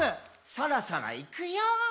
「そろそろいくよー」